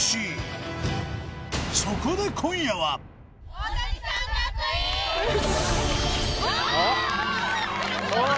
そこで今夜はおい